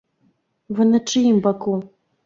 Вы на чыім баку?